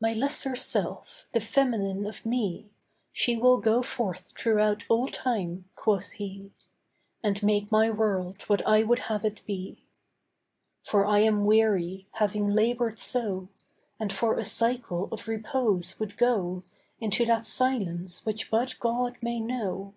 'My lesser self, the feminine of Me, She will go forth throughout all time,' quoth He, 'And make My world what I would have it be. 'For I am weary, having laboured so, And for a cycle of repose would go Into that silence which but God may know.